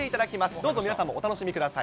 どうぞ皆さんもお楽しみください。